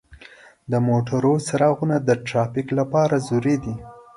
د موټرو څراغونه د ترافیک لپاره ضروري دي.